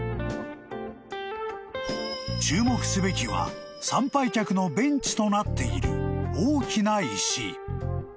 ［注目すべきは参拝客のベンチとなっている大きな石］